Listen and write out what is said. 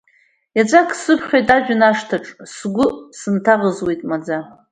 Еҵәак сыԥхьоит ажәҩан ашҭаҿ, сгәы сынҭаӷызуеит маӡа.